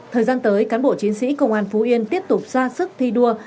thời gian tới cán bộ chiến sĩ công an phú yên tiếp tục ra sức thi đua